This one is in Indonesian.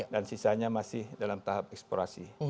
dan sisanya masih dalam tahap eksplorasi